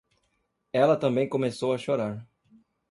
Ela também começou a chorar